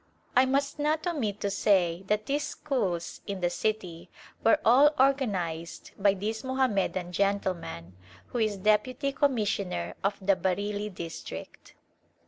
I must not omit to say that these schools in the city were all organized by this Mohammedan gentle man, who is deputy commissioner of the Bareilly Dis trict.